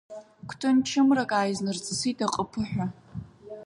Гәҭынчымрак ааизнарҵысит аҟыԥыҳәа.